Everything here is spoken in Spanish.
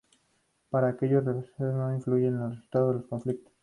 Pero aquellos reveses no influyeron en la resulta del conflicto.